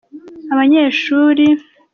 abanyeshuri.